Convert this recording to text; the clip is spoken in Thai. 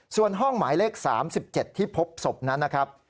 ส่วนห้องหมายเลข๓๗ที่พบศพนั้นนะครับ